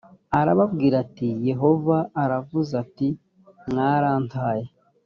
arababwira ati yehova aravuze ati mwarantaye